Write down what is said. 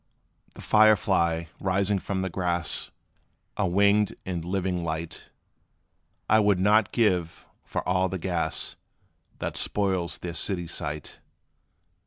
The fire fly, rising from the grass A winged and living light, I would not give for all the gas, That spoils their city sight.